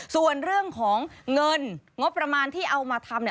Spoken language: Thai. ส่วนเรื่องของเงินงบประมาณที่เอามาทำ